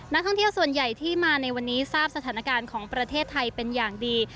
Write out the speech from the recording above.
นักท่องเที่ยวส่วนใหญ่ที่มาในวันนี้ทราบสถานการณ์ของประเทศไทยเป็นอย่างดี